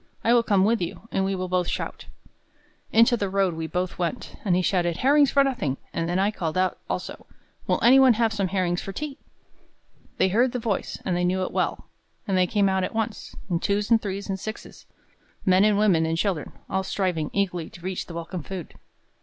"I will come with you, and we will both shout." Into the road we both went; and he shouted, "Herrings for nothing!" and then I called out also, "Will any one have some herrings for tea?" They heard the voice, and they knew it well; and they came out at once, in twos and threes and sixes, men and women and children, all striving eagerly to reach the welcome food.